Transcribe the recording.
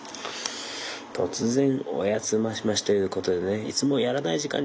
「とつぜんおやつマシマシ」ということでねいつもやらない時間にですね